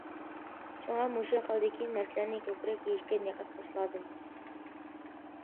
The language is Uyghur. شۇڭا مۇشۇ خىلدىكى نەرسىلەرنى كۆپرەك يېيىشكە دىققەت قىلىش لازىم.